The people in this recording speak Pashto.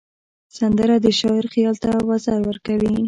سندره د شاعر خیال ته وزر ورکوي